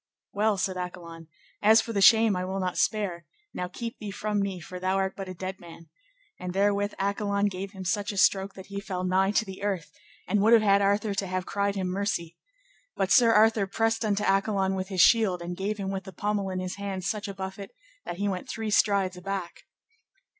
Well, said Accolon, as for the shame I will not spare, now keep thee from me, for thou art but a dead man. And therewith Accolon gave him such a stroke that he fell nigh to the earth, and would have had Arthur to have cried him mercy. But Sir Arthur pressed unto Accolon with his shield, and gave him with the pommel in his hand such a buffet that he went three strides aback.